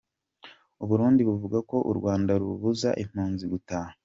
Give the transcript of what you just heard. U Burundi buvuga ko u Rwanda 'rubuza impunzi gutaha'.